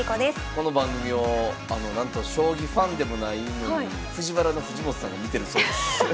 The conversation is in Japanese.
この番組をなんと将棋ファンでもないのにＦＵＪＩＷＡＲＡの藤本さんが見てるそうです。